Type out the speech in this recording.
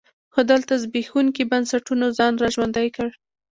خو دلته زبېښونکي بنسټونو ځان را ژوندی کړ.